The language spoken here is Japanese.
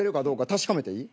確かめていい？